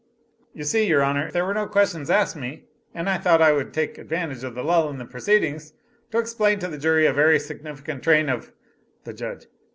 "You see, your Honor, there were no questions asked me, and I thought I would take advantage of the lull in the proceedings to explain to the jury a very significant train of " The Judge.